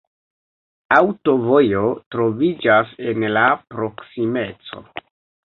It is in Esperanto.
Aŭtovojo troviĝas en la proksimeco.